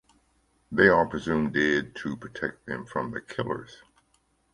They are presumed dead to protect them from the killers.